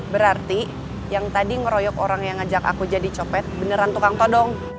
berarti yang tadi ngeroyok orang yang ngajak aku jadi copet beneran tukang todong